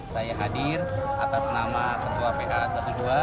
saya hadir atas nama ketua bumpers saudaraan alumni dua ratus dua belas